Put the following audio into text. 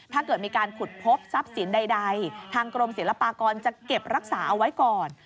ถ้าเกิดมีการขุดพบทรัพย์สินใดทางกรมศิลปากรจะเก็บรักษาเอาไว้ก่อน